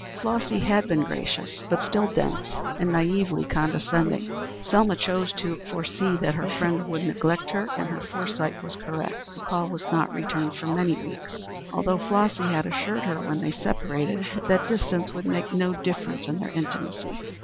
Flossy had been gracious, but still dense and naïvely condescending. Selma chose to foresee that her friend would neglect her, and her foresight was correct. The call was not returned for many weeks, although Flossy had assured her when they separated that distance would make no difference in their intimacy.